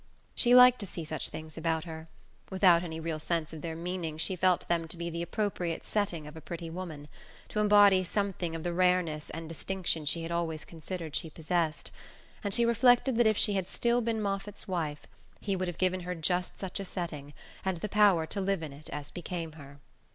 She liked to see such things about her without any real sense of their meaning she felt them to be the appropriate setting of a pretty woman, to embody something of the rareness and distinction she had always considered she possessed; and she reflected that if she had still been Moffatt's wife he would have given her just such a setting, and the power to live in it as became her.